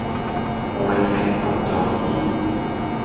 愛情動作片